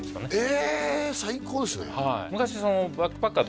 ええ最高ですね